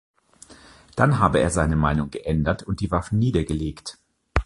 Dann habe er seine Meinung geändert und die Waffen niedergelegt.